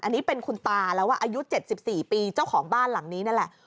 อันนี้เป็นคุณตาแล้วอายุ๗๔ปีเจ้าของบ้านหลังนี้นั่นแหละ